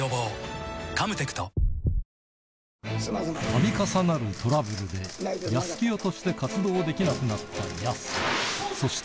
たび重なるトラブルで、やすきよとして活動できなくなったやすし。